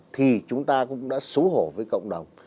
thì chúng ta cũng đã xấu hổ với cộng đồng